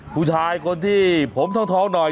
ผู้ชายคนที่ผมทองหน่อย